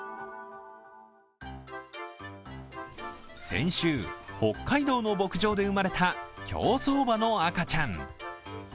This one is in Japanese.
先週、北海道の牧場で生まれた競走馬の赤ちゃん。